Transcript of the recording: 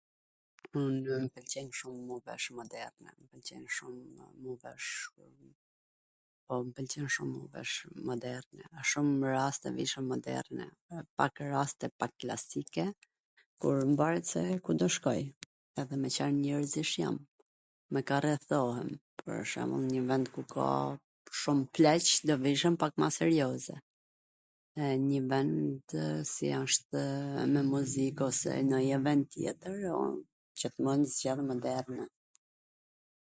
Unw mw pwlqen shum me u vesh moderne, shumw, po mw pwlqen shum me u vesh moderne, nw shum raste vishem moderne, pak raste pak klasike, po mvaret se edhe ku do shkoj, edhe me Car njerzish jam, me kw rrethohem, pwr shembull nw njw vend ku ka shum pleq do vishem pak ma serioze, e nji vend si asht me muzik apo ndonjw ven tjetwr, un qw tw mos jem moderne...